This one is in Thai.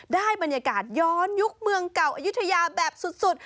ได้บรรยากาศย้อนยุคเมืองเก่าอายุทยาแบบสุด